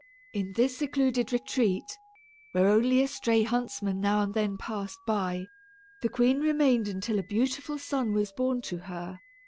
In this secluded retreat, where only a stray huntsman now and then passed by, the queen remained until a beautiful son was born to her.